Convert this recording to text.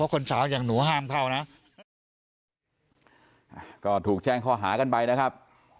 ก็ถูกแจ้งข้อหากันไปนะครับ